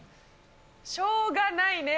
しょうがないねぇ。